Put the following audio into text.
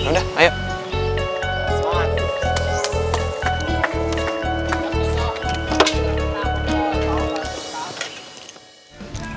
jangan lama lagi